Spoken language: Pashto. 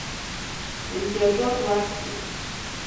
امتیازات ورکړي.